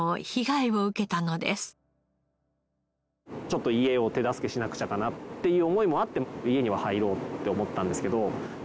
ちょっと家を手助けしなくちゃかなっていう思いもあって家には入ろうって思ったんですけど。